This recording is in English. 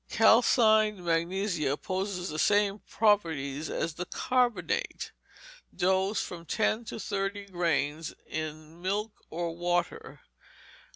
Calcined magnesia possesses the same properties as the carbonate. Dose, from ten to thirty grains, in milk or water.